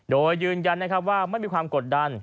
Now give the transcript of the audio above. โดยยืนยันว่าไม่มีความกดดัน